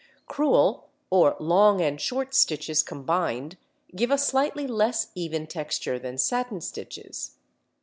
Crewel or long and short stitches combined (Fig. 4) give a slightly less even texture than satin stitches.